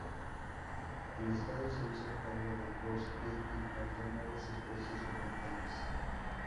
El estado se hizo cargo del bosque y plantó nuevas especies vegetales.